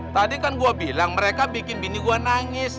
tadi kan gua bilang mereka bikin bini gua nangis